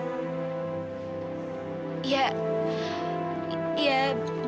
aku tuh udah kenal lama banget sama kamu